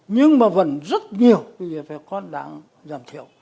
nhưng mà vẫn rất nhiều về việt con đang giảm thiểu